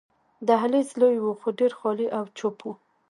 دهلېز لوی وو، خو ډېر خالي او چوپ وو.